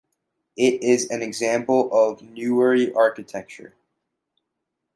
It is an example of Newari architecture.